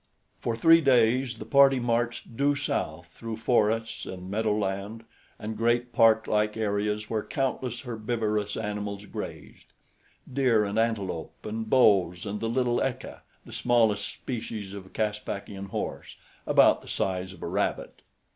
For three days the party marched due south through forests and meadow land and great park like areas where countless herbivorous animals grazed deer and antelope and bos and the little ecca, the smallest species of Caspakian horse, about the size of a rabbit.